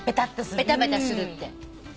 ペタペタするって。